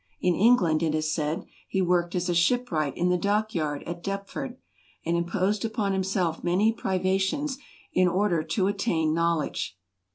In England, it is said, he worked as a shipwright in the dock yard at Deptford, and imposed upon himself many pri¬ vations in order to attain knowledge.